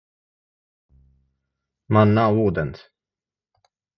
Man nav ūdens.